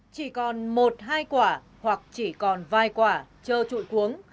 chỉ còn một hai quả hoặc chỉ còn vài quả trơ trụi cuống